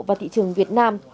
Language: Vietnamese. vào thị trường việt nam